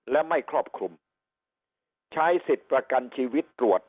และไม่ครอบคลุมใช้สิทธิ์ประกันชีวิตตรวจ